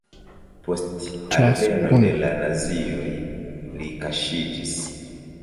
Post alveno de la nazioj li kaŝiĝis.